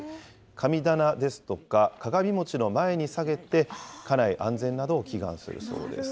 神棚ですとか鏡餅の前に下げて、家内安全などを祈願するそうです。